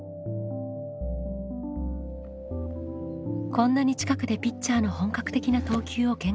こんなに近くでピッチャーの本格的な投球を見学したみ